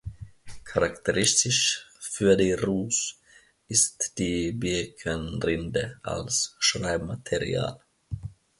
Charakteristisch für die Rus ist die Birkenrinde als Schreibmaterial.